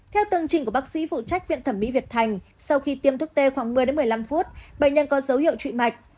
theo từng trình của bác sĩ phụ trách viện thẩm mỹ việt thành sau khi tiêm thuốc tê khoảng một mươi một mươi năm phút bệnh nhân có dấu hiệu trụy mạch